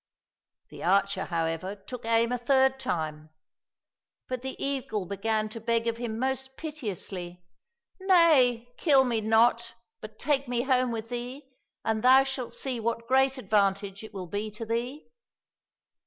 The archer, however, took aim a third time, but the eagle began to beg of him most piteously, " Nay, kill me not, but take me home with thee, and thou shalt see what great advantage it will be to thee